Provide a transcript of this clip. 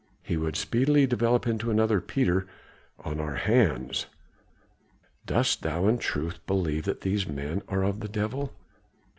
He would speedily develop into another Peter on our hands." "Dost thou in truth believe that these men are of the devil?"